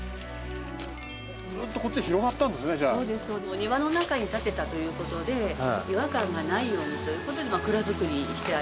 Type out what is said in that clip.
お庭の中に建てたという事で違和感がないようにという事で蔵造りにしてあります。